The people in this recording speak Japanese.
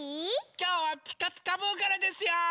きょうは「ピカピカブ！」からですよ！